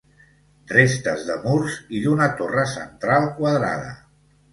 Restes de murs i d'una torre central quadrada.